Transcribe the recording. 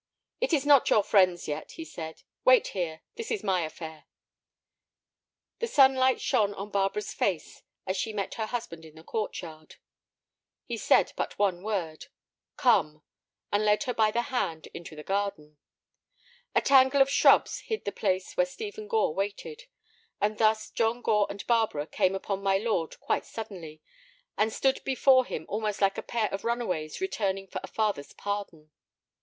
"It is not your friends yet," he said; "wait here; this is my affair." The sunlight shone on Barbara's face as she met her husband in the court yard. He said but one word—"Come"—and led her by the hand into the garden. A tangle of shrubs hid the place where Stephen Gore waited. And thus John Gore and Barbara came upon my lord quite suddenly, and stood before him almost like a pair of runaways returning for a father's pardon.